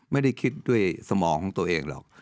ไม่ได้คิดด้วยสมองของตัวเองหรอก